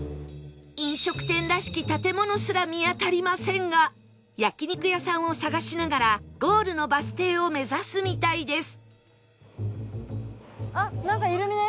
飲食店らしき建物すら見当たりませんが焼肉屋さんを探しながらゴールのバス停を目指すみたいです